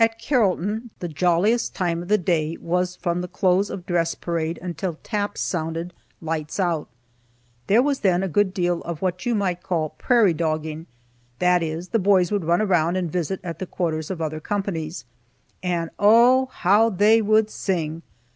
At Carrollton the jolliest time of the day was from the close of dress parade until taps sounded "Lights out." There was then a good deal of what you might call "prairie dogging," that is, the boys would run around and visit at the quarters of other companies. And Oh, how they would sing!